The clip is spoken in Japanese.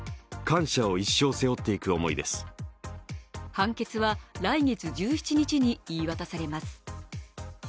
判決は来月１７日に言い渡されます。